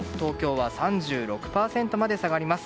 東京は３６％まで下がります。